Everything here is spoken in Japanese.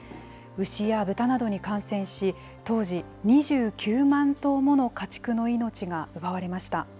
牛や豚などに感染し、当時、２９万頭もの家畜の命が奪われました。